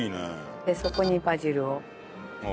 でそこにバジルを。